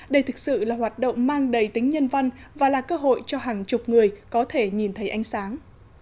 đây thực sự là hoạt động mang đầy tính nhân văn và là cơ hội cho hàng chục người có thể nhìn thấy ánh sáng